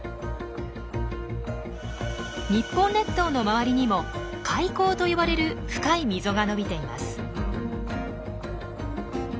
日本列島の周りにも海溝といわれる深い溝が伸びています。